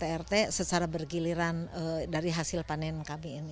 rt rt secara bergiliran dari hasil panen kami ini